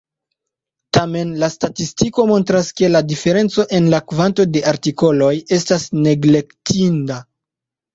Tamen la statistiko montras, ke la diferenco en la kvanto de artikoloj estas neglektinda.